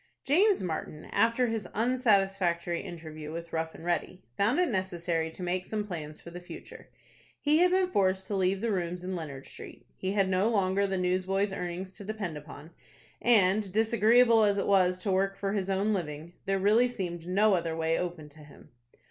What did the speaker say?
James Martin, after his unsatisfactory interview with Rough and Ready, found it necessary to make some plans for the future. He had been forced to leave the rooms in Leonard Street; he had no longer the newsboy's earnings to depend upon, and, disagreeable as it was to work for his own living, there really seemed no other way open to him.